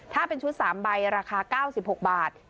ถ้าเป็นชุด๓ใบราคา๙๖บาท